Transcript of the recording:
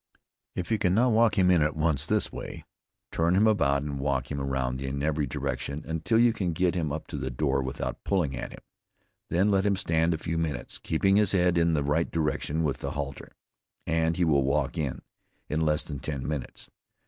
If you cannot walk him it at once this way, turn him about and walk him round in every direction, until you can get him up to the door without pulling at him. Then let him stand a few minutes, keeping his head in the right direction with the halter, and he will walk in, in less than ten minutes.